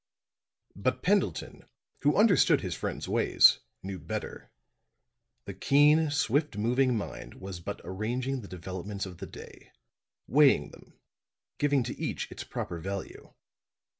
But Pendleton, who understood his friend's ways, knew better; the keen, swift moving mind was but arranging the developments of the day, weighing them, giving to each its proper value.